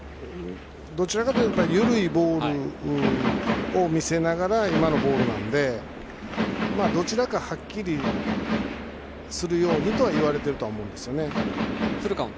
どちらかといえば緩いボールを見せながら今のボールなのでどちらかはっきりするようにとは言われているとは思います。